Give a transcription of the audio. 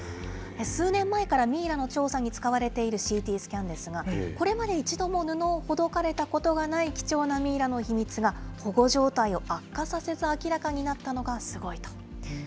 数年前からミイラの調査に使われているＣＴスキャンですが、これまで一度も布をほどかれたことがない貴重なミイラの秘密が、保護状態を悪化させず明らかになったのがすごいと。